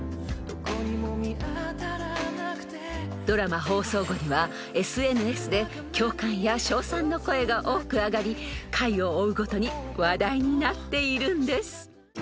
［ドラマ放送後にはＳＮＳで共感や称賛の声が多くあがり回を追うごとに話題になっているんです］